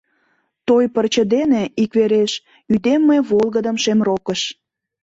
Той пырче дене иквереш Ӱдем мый волгыдым шем рокыш.